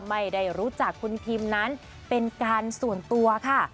ไม่ได้รู้จักคุณพิมนั้นเป็นการส่วนตัวค่ะ